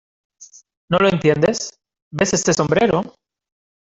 ¿ No lo entiendes? ¿ ves este sombrero ?